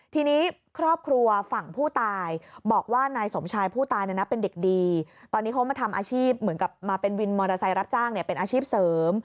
ทีนี้ครอบครัวฝั่งผู้ตายบอกว่านายสมชายผู้ตายเนี่ยนะเป็นเด็กดีตอนนี้เขามาทำอาชีพเหมือนกับมาเป็นวินมอเตอร์ไซค์รับจ้างเป็นอาชีพเสริม